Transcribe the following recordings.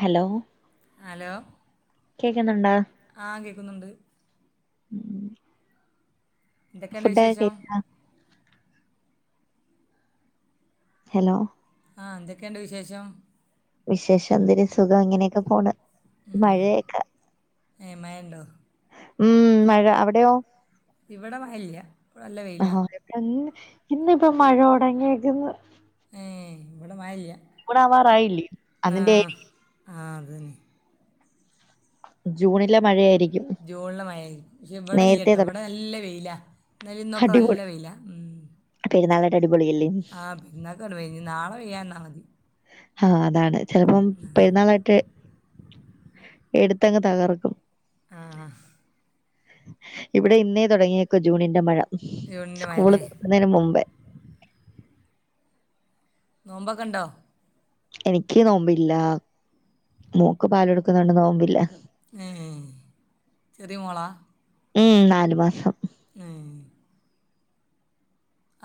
Hello. Hello. കേൾക്കുന്നുണ്ടോ? ആഹ കേക്കുന്നുണ്ട്. ഉം. എന്തൊക്കെയുണ്ട് ഫുഡ് ഒക്കെ വിശേഷം കാഴിച്ചാ.,? ഹലോ. ആ എന്തൊക്കെയുണ്ട് വിശേഷം. വിശേഷം എന്തൊരു സുഖം ഇങ്ങനെയൊക്കെ പോണ് മഴയൊക്കെ എ മയ ഇണ്ടോ ഉം മഴ അവിടെയോ ഇവിടെ മയല്ല ആഹ് പ്പന്ന് ഇന്നിപ്പൊ മഴ തുടങ്ങിയക്കന്ന് ഏ ഇവിടെ മയല്ല്യ ജൂണാവാറായില്ലേ അതിന്റെ ആയിരിക്കും ആ അത് തന്നെ ജൂണിലെ മഴയായിരിക്കും ജൂണി ലെ മയയ് ക്കും പക്ഷെ ഇവിടെ നേരത്തെ ഇല്ലട്ടോ തുട ഇവിടെ നല്ല വെയില ഇന്നലിന്നൊക്കെ നല്ല അടിപൊളി വെയില ഉം പെരുന്നാളായിട്ട് അടിപൊളിയല്ലേ ആഹ [unintelligible] നാളെ പെയ്യാന്നാൽ മതി ഹ അതാണ് ചിലപ്പം പെരുന്നാളായിട്ട് എടുത്തങ് തകർക്കും ആഹ്.. ഇവിടെ ഇന്നേ തുടങ്ങിയേക്കു ജൂണിന്റെ മഴ ജൂണിൻ്റെ സ്കൂള് മഴയല്ലേ ക്കുന്നതിന് മുമ്പേ നോമ്പൊക്കെണ്ടോ? എനിക്ക് നോമ്പില്ല മോൾക് പാൽ ടുക്കുന്നുണ്ട് നോമ്പില്ല ഹ്മ്മ് ചെറിയ മോളാ ഉം നാലു മാസം ഉം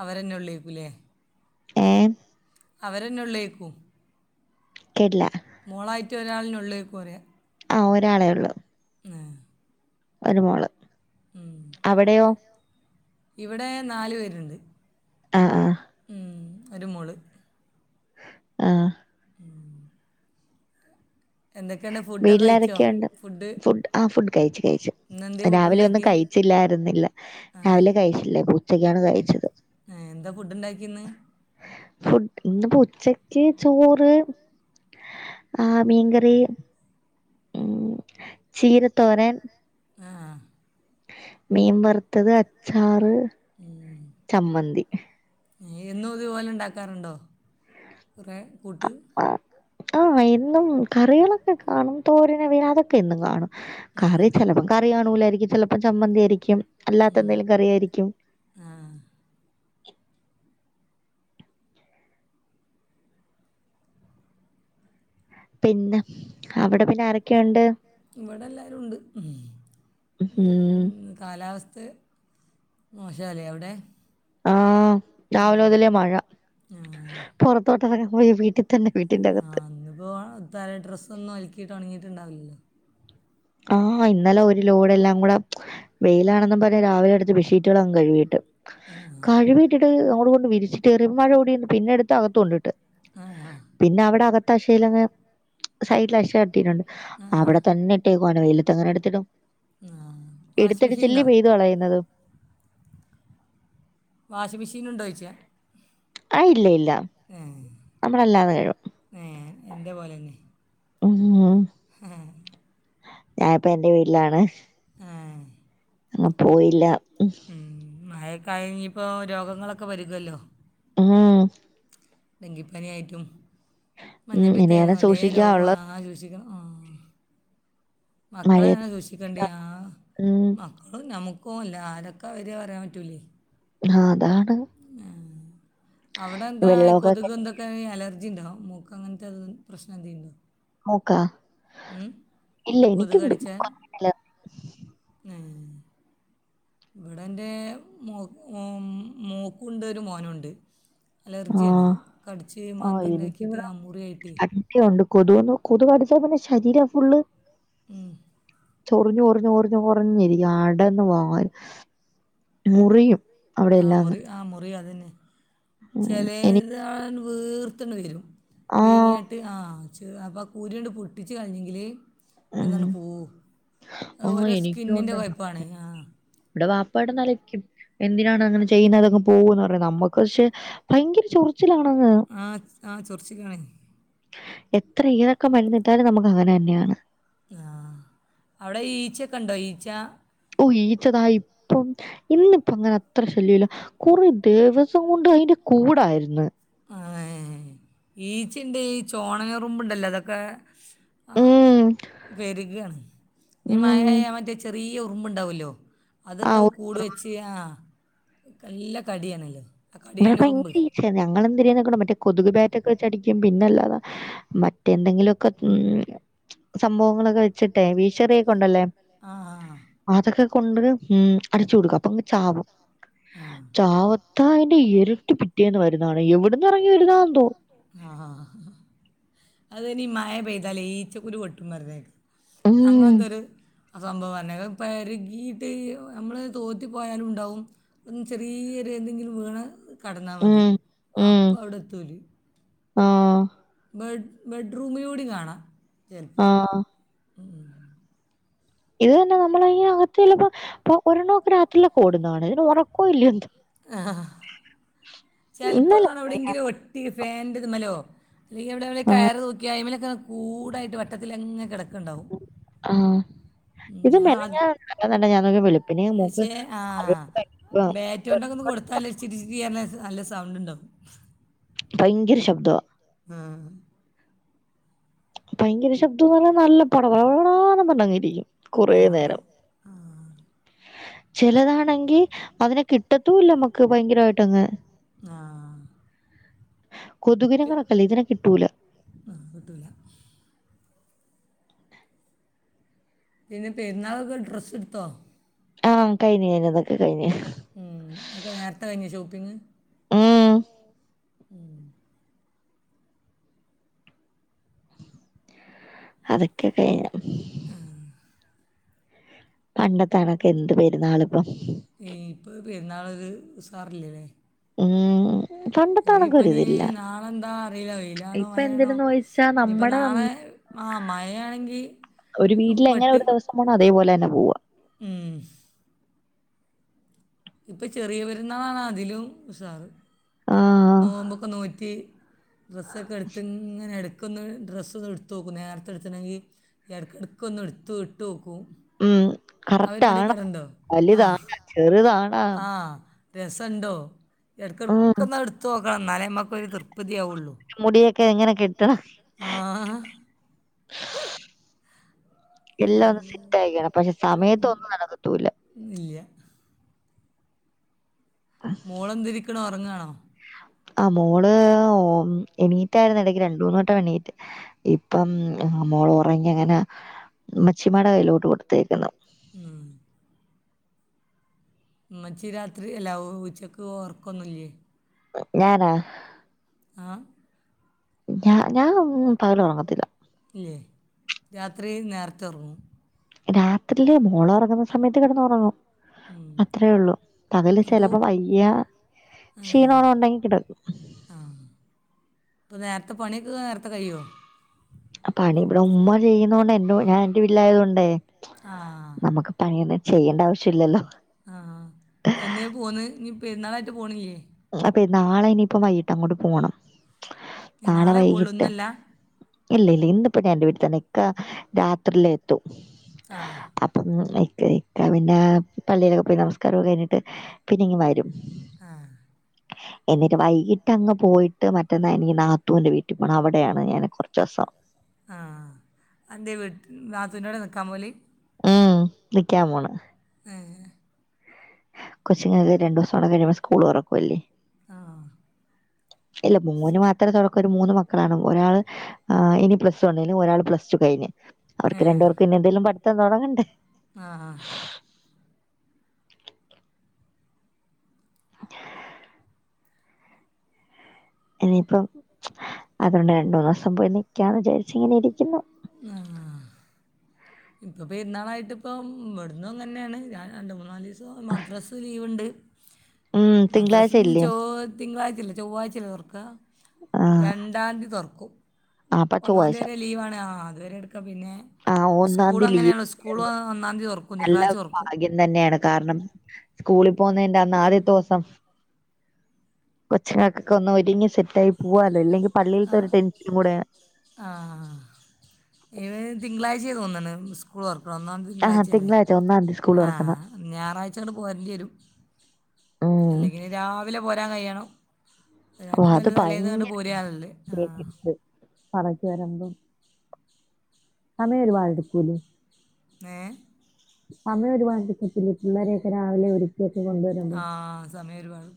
അവരെന്നെ ഉള്ളേപുലെ ഏ അവരെന്നെ ഉള്ളേക്കൂ കേട്ടില റ്റൊരാളിനുള്ളേക്ക് കുറയാ ആ ഒരാളേ ഉള്ളൂ ഒരുമോള് അവിടെയോ ഇവിടെ നാല് പേരുണ്ട് ആഹ ആ ഉം ഒരു മോള് ആഹ് എന്തൊക്കെയുണ്ട് ഫുഡൊക്കെ കഴിച്ചോ വീട്ടിലാരൊക്കെയുണ്ട് ഫുഡ് ആ ഫുഡ് കഴിച് ച് ഇന്ന് എന്തേ ഫുഡ് രാവിലെ ഒന്നും ഉണ്ടാക്കി കഴിച്ചില്ലായിരുന്നില്ല ആ രാവിലെ കഴിച്ചില്ല പ്പോ ഉച്ചക്കാണ് കഴിച്ചത് ഏ, എന്താ ഫുഡ് ഉണ്ടാക്കി ഇന്ന് ഫുഡ് ഇന്ന്പ്പൊ ഉച്ചക്ക് ചോറ് ആ മീൻകറി ഉം ചീരത്തോരൻ ആഹ് മീൻ വറുത്തത് അച്ചാറ് ഉം ചമ്മന്തി എന്നും ഇതുപോലെ ഉണ്ടാക്കാറുണ്ടോ കുറേ കൂട്ട് ആഹ് എന്നും കറികളൊക്കെ കാണും തോരനവിന അതൊക്കെ എന്നും കാണും ആ കറി ചിലപ്പം കറി കാണൂലായിരിക്കും ചിലപ്പം ചമ്മന്തി ആയിരിക്കും അല്ലാത്തപ്പോ ന്ത്‌ കറിയായിരിക്കും ആ പിന്നെ അവിടെ പിന്നെ ആരക്കെ ഇവിടെ എല്ലാവരും ഉണ്ട് ഉം കാലാവസ്ഥ മോശാലെ അവിടെ ആഹ് രാവിലൊതെലെ മഴ ആ പൊ റത്തോട്ടറങ്ങാൻ ക്കുമ്പോ ഈ വീട്ടി ആ ന്നുപ്പോ തായേ ഡ്രസ്സ് ഒന്നും ഒലക്കിയിട്ട് ഉണങ്ങിയിട്ടുണ്ടാവില്ലല്ലോ ആഹ് ഇന്നലെ ഒരു ലോഡ് എല്ലാം കൂടെ വെയിലാണെന്നും പറഞ് രാവിലെ എ ടുത്ത് ബെഡ്ഷീറ്റുകള് അങ്ങ് കഴുകിട്ട് ആ കഴിവിട്ടിട്ട് അങ്ങോട്ടുങ്ങോട്ടും കൊണ്ട് വിരിച്ചിട്ട് കേറി മഴ കൂടി പിന്നെ എടുത്ത് അകത്ത് കൊണ്ടിട്ട് ആ ആ പിന്നെ അവിടെ അകത്ത അക്ഷയിലങ്ങെ സൈഡിൽ അക്ഷ കെട്ടിട്ടുണ്ട് ആ അവിടെ തന്നെ ഇപ് എ കോന വെയിലത്ത് അങ്ങനെ എടുത്തിടും ആ ആ വാഷിംഗ് മെഷീൻ എടുത്തിടിച്ചല്ലെ ഉണ്ടോ പെയ്തു കളയുന്നത് വാഷിംഗ്‌ മെഷീൻ ഉണ്ടോയ്ച്ച ആ ഇല്ല ഇല്ല ഏ നമ്മളല്ലാതെ കഴുകും ഏ എന്റെ പോലെന്നെ ഉം ആ ഞാനിപ്പോ എന്റെ വീട്ടിലാണ് ഏ അങ്‌ പോയില്ല ഉം മയക്കഴിഞ് ഇപ്പോൊ രോഗങ്ങളൊക്കെ പെര്കൊല്ലോ ആഹ് ഡെങ്കിപ്പാനിയായിട്ടും ഉം മഞ്ഞപ്പിതായും ഇനിയാണ് പലേ സൂക്ഷിക്കാനുള്ളത് രോഗാ ണ് സൂക്ഷിക്കണം മഴയത്ത് മക്കളെണ് സൂക്ഷിക്കണ്ടിയെ ആ ഉം. മക്കളും നമുക്ക്‌ - ഓ ലെ ആരൊക്കെ വര പറയാ മ്പറ്റൂലേ ആ അതാണ് അവിടെ എന്താ ഇ വെള്ളമൊക്കെ കൊതുക് എന്തൊക്കെ അലർജി ഉണ്ടോ മൂക്ക് അങ്ങനത്തെ പ്രശ്നം എന്തെ ണ്ടോ മൂക്ക ല്യ കൊത്കടിച്ചാ ഇവിടെ എന്റെ മോ മോക്കുണ്ട് ഒരു മോനൂ ണ്ട് ആ. അലർജിയാണ് കടിച്ച് ആ മാന്തി ഉണ്ടാക്കിയിട്ട് ആ മുറിയായിട്ട് കൊതു കൊതു കടിച്ചാ പിന്നെ ശരീരം ഫുള്ള് കൊ ഉം ചൊറിഞ്ഞു റിഞ് റിഞ്ഞു ചൊറിഞ്ഞിരിക്കും അടണ് ആ മുറിയും ആഹ അവിടെയെല്ലാം അങ്ങ്. മുറി ആ മുറി അതന്നെ ഉം. എനി ചെലേതാണ്ട് വീർത്താണ്ട് വരും ആ. വീങ്ങിട്ട് ആ അപ്പംകുരു ണ്ട് പൊട്ടിച്ച്ച് കളഞ്ഞെങ്കില് ഉം. പൂ ആ ഓരോ എനിക്കും സ്കിന്നിന്റെ കൊയ്പ്പാണെ പട നിലയ്ക്കും എന്തിനാണ് അങ്ങനെ ചെയ്യുന്നത് അതങ് പോവൂന്ന് പറയും നമ്മക്ക് പശെ ഭയങ്കര ചൊറിയ ച്ചിലാണെന്ന് ആ ആ ചൊറ്ച്ചിലാണെ എത്ര ഏതൊക്കെ മരുന്ന് ഇട്ടാലും നമുക്ക് അങ്ങനെ തന്നെയാണ് ആഹ് അവിടെ ഈച്ചക്കെ ണ്ടോ ഈച്ച ഓ ഈച്ചതാ ഇപ്പം ഇന്നിപ്പം അങ്ങനെ അത്ര ശല്യല്ല കുറേ ദിവസം കൊണ്ട് അയന്റെ കൂടായിരുന്നു ആ ഏ ഈച്ചിണ്ട് ഈ ചോണനുറുമ്പ് ണ്ടല്ലോ അതൊക്കെ ആ ഉം പേരുകയാണ് ഞ് ഉം മയ ആയാൽ മറ്റെ ചെറിയ ഉ ഉറുമ്പ് ഉണ്ടാവൊല്ലോ അത് ആ ണ്ടാവും ഒ- കൂട് വെച്ച് ആ കല്ല കടിയണല്ലോ ഇവിടെപ്പോ ഭയങ്കര ഈച്ചെ ഞങ്ങളെന്തിനിതാക്കണം ആ കൊതുക് ബാറ്റ് ബാറ്റൊക്കെ വെച്ചടിക്കും പിന്നെല്ലാതെ മറ്റെന്തെങ്കിലൊക്കെ ഉം സംഭവങ്ങളൊക്കെ വെച്ചിട്ടെ വീഷീട്ട് ചെറിയൊക്കെണ്ടല്ലേ ആ ആ അതൊക്കെ കൊണ്ട് ഉം അടിച്ചു കൊടുക്കും അപ്പൊങ് ചാവും ആഹ് ചാവത്താന്റെ ഇരട്ടി പിറ്റേന്ന് വരുന്നതാണ് എവിടന്ന് ഇറങ്ങി വരുന്ന എന്തോ ആഹ് അതിനി മയ പെയ്താലേ ഈച്ച കുരു പൊട്ടും പറഞ്ഞേക്കാ ഉം അങ്ങനെന്തൊരു സംഭവം ന്നെക് പരുകിയിട്ട് നമ്മൾ തോത്തി പോയാലും ഉണ്ടാവും അൻ ചെറിയൊര് എന്തെങ്കിലും വീണ കടന്നാൽ മതി ഉം അപ്പ അവിടെത്തൂല് ആഹ് ബെഡ് ബെഡ്റൂമിലൂടിം കാണാം ചിലപ്പോൾ ആഹ് ഇത് തന്നെ നമ്മൾ അകത്തല്ലപ്പോ ഇപ്പൊ ഒരെണ്മ ഒക്കെ രാത്രിലൊകേ ഓടുന്നതാണ് ഇതിന് ഉറക്കോ ഇല്ല എ ആഹ് ചെലപ്പോ ഇന്നലെ കാണ എവിടെങ്കിലും ഒട്ടി ഫാൻന്റത്മ്മലോ അല്ലെങ്കിൽവിടെ ആ കയർ തൂക്കിയ അയ്മലൊക്കെ കൂടായിട്ട് വട്ടത്തില ങ്ങെ കിടക്കണ്ടാവും. ആ ഇത് മെനഞല്ല ഞാനൊക്കെ വിളി പക്ഷെ ആ ബാറ്റ് കൊണ്ട് ഒന്ന് കൊടുത്താലോിരിച്ചി നല്ല സൗണ്ട്ണ്ടാവും ഭയങ്കര ശബ്ദം ആഹ് ഭയങ്കര ശബ്ദം എന്ന് പറഞ്ഞാൽ നല്ല പടപടാന്ന് പറഞങ്ങ് രിക്കും കുറേ ആ നേരം ആ ചെലതാണെങ്കി അതിനെ കിട്ടത്തൂല്ല നമ്മുക്ക് ഭയങ്കരമായിട്ട് അങ്ങ് ആഹ് കൊതുകിനങ്ങളൊക്കെല്ലേ ഇതിനെ കിട്ടൂല ആ, കിട്ടൂല പിന്നെ പെരുന്നാൾൊക്കെ ഡ്രസ്സ്ട്ത്തോ ആഹ് കഴിഞ്ഞ് കഴിഞ്ഞ് അതൊക്കെ കഴിഞ്ഞ്. ഉം ന്നൊക്കെ നേരത്തെ കഴിഞ്ഞോ ഷോപ്പിങ്? ഉം ഉം അതൊക്കെ കഴിഞ്ഞു പണ്ടത്തണൊക്കെ എന്ത് പെരുന്നാള് ഇപ്പൊ പെരുന്നാളരു ഉസാറില്ലേല്ലേ ഉം ഉം ഇനിയിപ്പ നീ നാളെ എന്താ അറിയില്ല വെയിലാണോ ഇപ്പൊ മയാണോ എന്തിനെന്ന് ചോദിച്ചാ ഇനിയിപ്പ നമ്മടെ നാളെ ആ മഴയാണെങ്കി ഒരു വീട്ടില് എങ്ങനെ പെട്ട് ഒരു ദിവസം പോകണം അതേപോലെ തന്നെ പോവാ ഉം ഇപ്പൊ ചെറിയ പരുന്നാളാണ് അതിലും ഉസാറ് ആഹ് നോമ്പൊക്കെ നോറ്റി ഡ്രസ്സൊക്കെ എടുത്ത് ഇങ്ങനെ എടു ഇടക്കൊന്ന് ഡ്രസ്സ് ഒന്ന് എടുത്ത് നോക്കും നേരത്തെ എടുത്തുണെങ്കി എടകെട്ക്കൊന്ന് ഇടുത്ത് ഇട്ട് നോക്കും. ഉം ആ കറക്റ്റ് പരിപാടി ആണോ കടണ്ടോ ആ വലുതാണോ ചെറുതാണാ രസണ്ടോ എട്കെട്ക്കതൊന് എടുത്ത് നോക്കണം എന്നാലേ നമുക്ക് ഒരു തൃപ്തിയാവയുള്ളൂ മുടിയോക്കേ എങ്ങനെ കെട്ടണം ആ എല്ലാം ഒന്ന് സിറ്റ് ആയിക്കണം പക്ഷെ സമയത്തൊന്നും നടക്കത്തൂല ഇല്ല മൂളം എന്തിരിക്കണോ ഉറങ്ങാണോ? ആ മോള് ഓ എണീറ്റായിര്ന്നു ഇടക്ക് രണ്ടുന് വട്ടം എണീറ്റ് ഇപ്പം ആ മോള ഒറങ്ങി അങ്ങനെ മച്ചിമാടെ കയ്യിലോട്ട് കൊടുത്തയ്ക്ന്നു. ഉം മ്മച്ചി രാത്രി അല്ല ഉച്ചക്ക് ഓർക്കൊന്നുല്ല്യേ? ഞാനാ ആ ഞ ഞാൻ പകല് ഒറങ്ങത്തില്ല ഇല്ലേ രാത്രി നേരത്തെ ഒർങ്ങും. രാത്രില് മോളറങ്ങുന്ന സമയത്ത് കെടന്ന്റങ്ങും ഉം അത്രേ ഉള്ളു പകല് അപ്പോൾ ചെലപ്പൊ വയ്യ ക്ഷീണോണം ആ ഉണ്ടെങ്കി കിട ഇപ്പൊ നേരത്തെ പണിയൊക്കെ നേരത്തെ കഴിയോ? പണി ഇവിടെ ഉമ്മ ചെയ്യുന്നോണ്ട് എന്റെ ഞാൻ എന്റെ വീട്ട്ലായതോണ്ടേ ആ നമുക്ക് പണിയൊന്നും ചെയ്യണ്ട ആവശ്യ ല്ലല്ലോ? ആ എന്നേ പോന്ന് ഇനി പരുന്നാളായിട്ട് പോണ്ല്ല്യേ? അപ്പെ നാളെ ഇനിയിപ്പ വൈകിട്ട് അങ്ങോട്ട് പോണം നാളെ പോവുള്ളു ഇന്നല്ല ഇല്ല ഇല്ല ഇന്നിപ്പോ ഞാനെന്റെ വീട്ടി തന്നെ ഇക്ക രാത്രിയിലെത്തും ആ അപ്പം കേ ആഹ് പിന്നെ പള്ളിയിലൊക്കെ പോയി നമസ്ക്കാരോം കഴിഞ്ഞിട്ട് പിന്നെ ഇങ്ങ് വരും ആഹ എന്നിട്ട് വൈകിട്ട് അങ്ങ് പോയിട്ട് മറ്റന്നാ എനിക്ക് നാത്തൂന്റെ വീട്ടിൽ പോണം അവിടെയാണ് ഞാൻ ഇനി കുറച്ച് ദിവസം ആ അന്റെ വീട്ട് നാത്തൂന്റവിട നിൽക്കാൻ പോവല് ഉം നിക്കാൻ പോണ് ഏ കൊച്ചുങ്ങക്ക് രണ്ടു ദിവസം കൂടാ കഴിയുമ്പോ സ്കൂൾ തുറക്കുവല്ലേ ആ [inaudible] ഇല്ല മോന് മാത്രം തുറക്കൂന്ന് മൂന്ന് മക്കളാണ് ഒരാൾ ഇനി പ്ലസ് വണ്ണിലും ഒരാൾ പ്ലസ് ടു കഴിഞ്ഞു അവർക്ക് രണ്ടുപേർക്ക് ഇനി എന്തെങ്കിലും പഠിത്തം തുടങ്ങണ്ടേ ആഹ ആാ [inaudible] ഇനിയിപ്പം അതുകൊണ്ട് രണ്ടു മൂന്ന് ദിവസം പോയി നിക്കാന്ന് വിചാരിച്ചു ഇങ്ങനെ ഇരിക്കുന്നു ആഹ ഇപ്പം പെരുന്നാളായിട്ട് ഇപ്പം ഇവിടന്നും അങ്ങന്നെയാണ് ഞാൻ രണ്ടു മൂന്നു നാല് ദിവസം മദ്രസ ലീവുണ്ട് ഉം മദ്രസ തിങ്കളാഴ്ച ന്ന് ഇല്ലേ ചൊവ് തിങ്കളാഴ്ച അല്ല ചൊവ്വാഴ്ച അല്ലേ തുറക്കാ ആഹ് രണ്ടാംതീ തുറക്കും അപ്പൊ ഒന്നാം തീയതി ചൊവ്വാഴ്ച വരെ ലീവാണ് ആഹ് ആഹ് അതുവരെടുക്കും പിന്നെ ആഹ് ഒന്നാം സ്കൂൾ തീയതി ലീവ് അങ്ങനെയാണോ സ്കൂൾ ഒന്നാം തീയതി തുറക്കും നല്ല തിങ്കളാഴ്ച തുറക്കും ഭാഗ്യം തന്നെയാണ് കാരണം സ്കൂളിൽ പോകുന്നതിന്റെ അന്ന് ആദ്യത്തെ ദിവസം കൊച്ചുങ്ങക്കൊക്കെ ഒന്ന് ഒരുങ്ങി സെറ്റ് ആയി പോവാലോ അല്ലെ ആ ആ [unintelligible] തിങ്കളാഴ് [unintelligible] സ്കൂൾ തുറക്ക ഒന്നാം തീയതി ആഹ് തിങ്കളാഴ്ചയല്ലേ തിങ്കളാഴ്ച ഒന്നാം തീയതി സ്കൂൾ ആ തുറക്കുന്നെ ഞായറാഴ്ച ഇങ്ങോട്ട് പോരേണ്ടി വരും ഉം അല്ലെങ്കിൽ നി രാവിലെ പോരാൻ കഴിയണം ഓ അതിനായിട്ട് അത് നല്ല തലേന്ന് ഇങ്ങോട്ട് ഭയങ്കര പോരുകയാണല്ലേ ആ [unintelligible] പറഞ്ഞ് വരുമ്പം സമയം ഒരുപാടെടുക്കൂലേ ങേ സമയം ഒരുപാടെടുക്കത്തില്ലേ പിള്ളേരെയൊക്കെ രാവിലെ ഒരുക്ക ആ സമയം ഒരുപാട്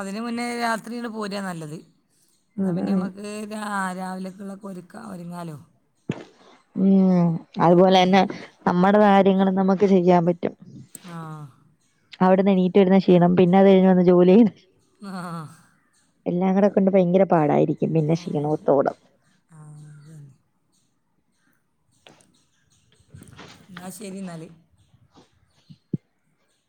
അതിന് മുന്നേ രാത്രിയിങ്ങട് പോരുവാ നല്ലത് എന്നാൽ പിന്നെ അതാണ്. നമുക്ക് രാ രാവിലേക്കുള്ളതൊക്കെ ഒരുക്കാ ഒരുങ്ങാലോ ഉം അതുപോലെ തന്നെ നമ്മുടെ കാര്യങ്ങൾ നമുക്ക് ചെയ്യാൻ പറ്റും ആ അവിടെന്നെണീറ്റ് വരുന്ന ക്ഷീണം പിന്നെ അത് കഴിഞ്ഞു വന്ന് ജോലി ചെയ്യ ആഹ് എല്ലാം കൂടെ കൊണ്ട് ഭയങ്കര പാടായിരിക്കും പിന്നെ ആ ക്ഷീണോത്തോടം ആ അത് തന്നെ എന്നാ ശരി ന്നാല്